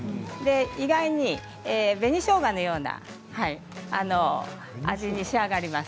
意外に紅しょうがのような味に仕上がります。